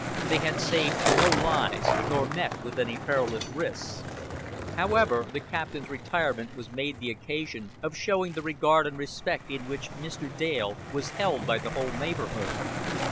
They had saved no lives, nor met with any perilous risks. However, the captain's retirement was made the occasion of showing the regard and respect in which Mr. Dale was held by the whole neighborhood.